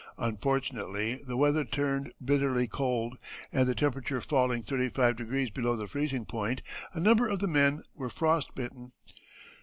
Unfortunately the weather turned bitterly cold, and the temperature falling thirty five degrees below the freezing point, a number of the men were frost bitten.